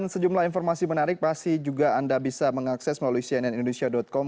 sejumlah informasi menarik pasti anda bisa mengakses melalui cnnindonesia com